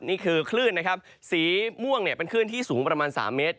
นี่คือคลื่นสีม่วงเป็นคลื่นที่สูงประมาณ๓เมตร